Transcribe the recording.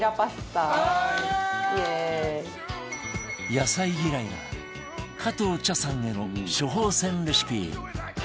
野菜嫌いな加藤茶さんへの処方箋レシピ